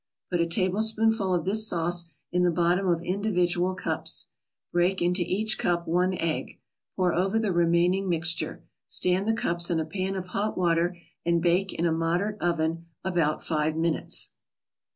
Put a tablespoonful of this sauce in the bottom of individual cups. Break into each cup one egg. Pour over the remaining mixture. Stand the cups in a pan of hot water and bake in a moderate oven about five minutes.